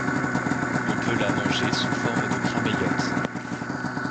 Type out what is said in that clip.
On peut la manger sous forme de Crameillotte.